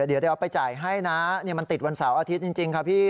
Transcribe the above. เดี๋ยวเอาไปจ่ายให้นะมันติดวันเสาร์อาทิตย์จริงค่ะพี่